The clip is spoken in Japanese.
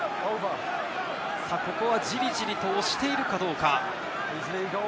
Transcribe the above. ここはじりじりと押しているかどうか。